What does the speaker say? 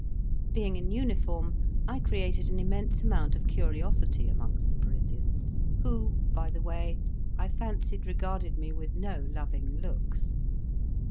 Being in uniform, I created an immense amount of curiosity amongst the Parisians; who, by the way, I fancied regarded me with no loving looks.